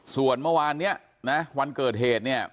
ส่วนเมื่อวานเนี่ยนะวันเกิดเหตุเนี่ย